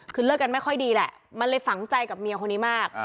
คือเลิกกันไม่ค่อยดีแหละมันเลยฝังใจกับเมียคนนี้มาก